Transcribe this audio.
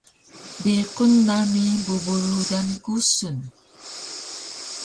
Biqun nami bubu rudan kusun